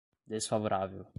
desfavorável